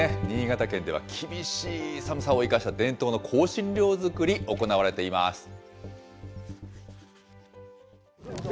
新潟県では厳しい寒さを生かした伝統の香辛料作り、行われています。